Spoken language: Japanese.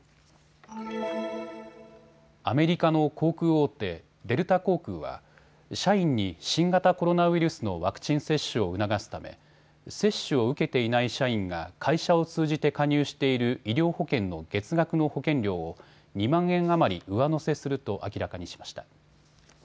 アメリカの航空大手、デルタ航空は社員に新型コロナウイルスのワクチン接種を促すため接種を受けていない社員が会社を通じて加入している医療保険の月額の保険料を２万円余り上乗せすると明らかにしました。